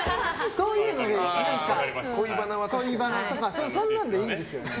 そういうの、恋バナとかそんなんでいいんですよ。